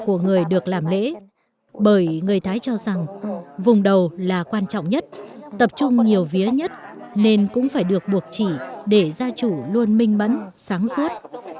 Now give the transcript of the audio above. của người được làm lễ bởi người thái cho rằng vùng đầu là quan trọng nhất tập trung nhiều vía nhất nên cũng phải được buộc chỉ để gia chủ luôn minh mẫn sáng suốt